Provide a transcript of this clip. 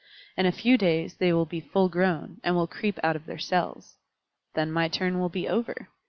In a few days they will be full grown, and will creep out of their cells. Then my turn will be over.